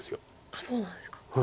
あっそうなんですか。